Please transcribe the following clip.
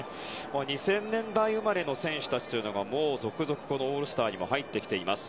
２０００年代生まれの選手たちというのは、続々とオールスターにも入ってきています。